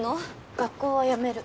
学校は辞める。